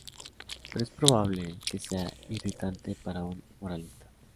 pero es probable que sea irritante para un moralista